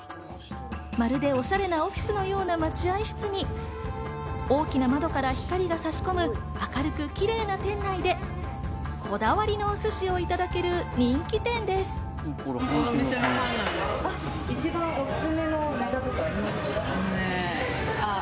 まるでオシャレなオフィスのような待合室に大きな窓から光が差し込む明るくキレイな店内でこだわりのお寿司をいただける人気店です。